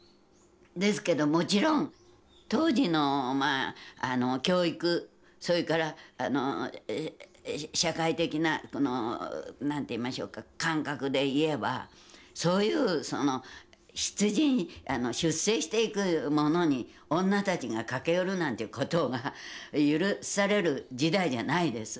ですけどもちろん当時の教育それから社会的な何て言いましょうか感覚で言えばそういう出陣出征していく者に女たちが駆け寄るなんていうことが許される時代じゃないです。